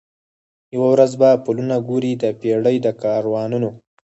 یوه ورځ به پلونه ګوري د پېړۍ د کاروانونو